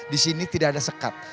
di sini tidak ada sekat